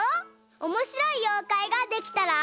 おもしろいようかいができたら。